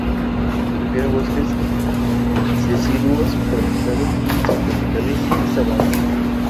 Prefiere bosques deciduos tropicales y subtropicales, y sabanas.